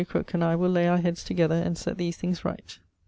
Crooke, and I will lay our heads together and sett these things right.